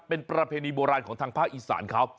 เป็นประเพณีโบราณของทางภาคอีสานเขา